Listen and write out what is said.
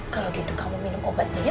kalau gitu kamu minum obatnya